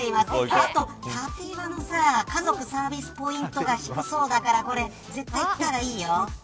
あと立岩はさあ、家族サービスポイントが低そうだから絶対行った方がいいよ。